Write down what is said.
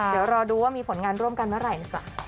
เดี๋ยวรอดูว่ามีผลงานร่วมกันเมื่อไหร่หรือเปล่า